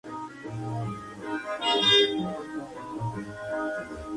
La financiación resultó exigua.